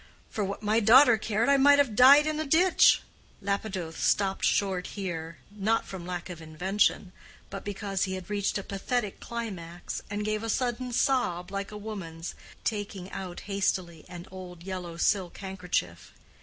For what my daughter cared, I might have died in a ditch." Lapidoth stopped short here, not from lack of invention, but because he had reached a pathetic climax, and gave a sudden sob, like a woman's, taking out hastily an old yellow silk handkerchief.